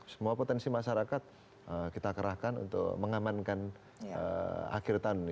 semua potensi masyarakat kita kerahkan untuk mengamankan akhir tahun ini